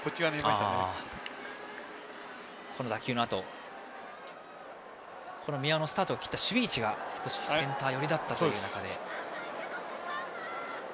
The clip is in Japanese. この打球のあと宮尾のスタートを打った守備位置がセンター寄りだったと。